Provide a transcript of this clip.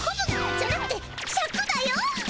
じゃなくてシャクだよ。